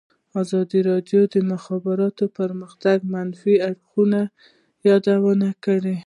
ازادي راډیو د د مخابراتو پرمختګ د منفي اړخونو یادونه کړې.